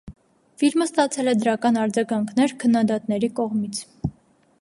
Ֆիլմը ստացել է դրական արձագանքներ քննադատների կողմից։